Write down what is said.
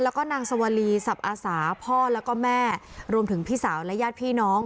แล้วก็นางสวรีสับอาสาพ่อแล้วก็แม่รวมถึงพี่สาวและญาติพี่น้อง